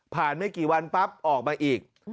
ไม่กี่วันปั๊บออกมาอีก